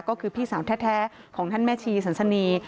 ก็คือพี่สาวแท้ของท่านแม่ชีสันสนี